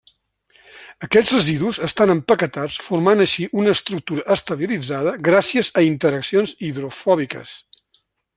Aquests residus estan empaquetats formant així una estructura estabilitzada gràcies a interaccions hidrofòbiques.